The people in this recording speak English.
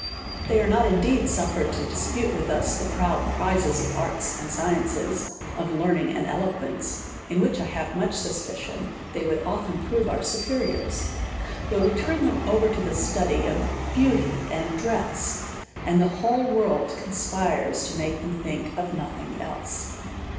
They are not indeed suffered to dispute with us the proud prizes of arts and sciences, of learning and elo quence, in which I have much suspicion they would often prove our superiors ; but we turn them over to the study of beauty and dress, and the whole world conspires to make them think of nothing else.